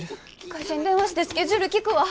会社に電話してスケジュール聞くわ。